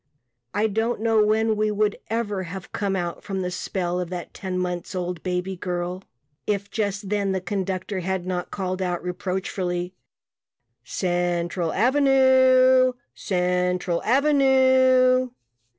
I don't know when we would ever have come out from the spell of that ten months old baby girl if just then the conductor had not called out reproachfully "Central Avenue Central Avenue."